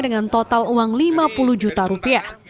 dengan total uang lima puluh juta rupiah